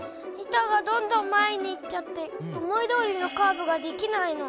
板がどんどん前に行っちゃって思いどおりのカーブができないの。